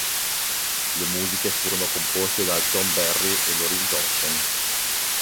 Le musiche furono composte da John Barry e Laurie Johnson.